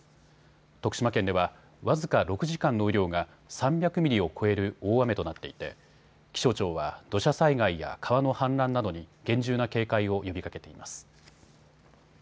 徳島県では僅か６時間の雨量が３００ミリを超える大雨となっていて気象庁は土砂災害や川の氾濫などに厳重な警戒を呼びかけています。